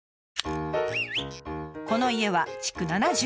この家は築７０年。